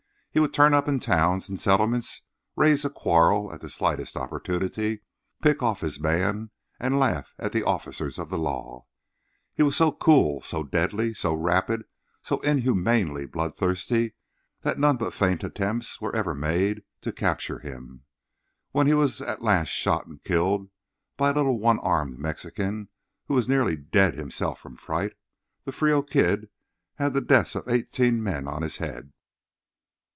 He would turn up in towns and settlements, raise a quarrel at the slightest opportunity, pick off his man and laugh at the officers of the law. He was so cool, so deadly, so rapid, so inhumanly blood thirsty that none but faint attempts were ever made to capture him. When he was at last shot and killed by a little one armed Mexican who was nearly dead himself from fright, the Frio Kid had the deaths of eighteen men on his head.